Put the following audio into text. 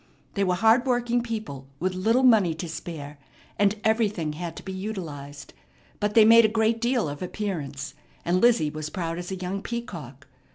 They were hard working people with little money to spare, and everything had to be utilized; but they made a great deal of appearance, and Lizzie was proud as a young peacock.